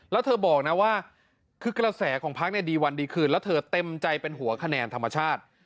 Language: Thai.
แล้วเธอบอกนะว่าคือกระแสของพักดีวันดีคืนแล้วเธอเต็มใจเป็นหัวคะแนนธรรมชาติ